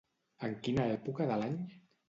En quina època de l'any?